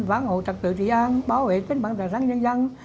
phản hội trật tự trị an bảo vệ kinh bản trạng sáng nhân dân